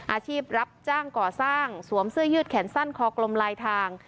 อาชีพรับจ้างก่อสร้างสวมเสื้อยืดแขนสั้นคอกลมลายทาง